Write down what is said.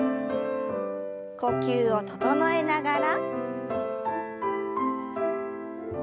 呼吸を整えながら。